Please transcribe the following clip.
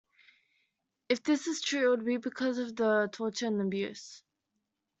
If this is true it would be because of his torture and abuse.